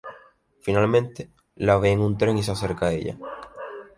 Finalmente la ve en un tren y se acerca a ella.